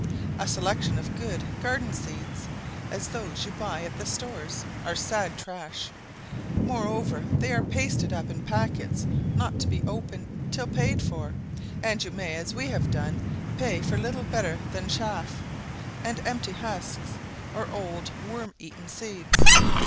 A selection of good garden seeds, as those you buy at the stores are sad trash; moreover, they are pasted up in packets not to be opened till paid for, and you may, as we have done, pay for little better than chaff, and empty husks, or old and worm eaten seeds.